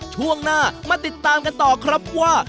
ช่วงหน้ามาติดตามกันต่อครับว่า